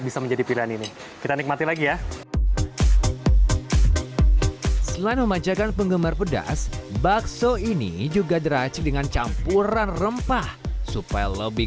selang memajakkan penggemar pedas bakso ini juga deracik dengan campuran rempah supaya lebih